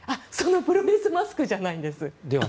プロレスマスクじゃないんです。